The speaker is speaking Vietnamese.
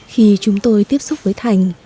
khi chúng tôi tiếp xúc với thành